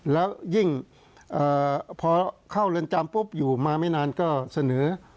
แล้วยิ่งพอเข้าเรือนจำปุ๊บอยู่มาไม่นานก็เสนอ